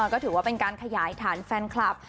ก็ถือว่าเป็นการขยายฐานแฟนคลับ